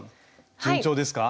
順調ですか？